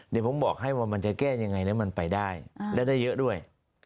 เดี๋ยวผมบอกให้ว่ามันจะแก้ยังไงแล้วมันไปได้และได้เยอะด้วย